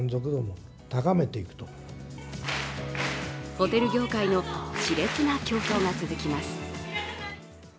ホテル業界のしれつな競争が続きます。